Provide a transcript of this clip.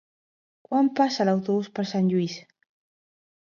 Quan passa l'autobús per Sant Lluís?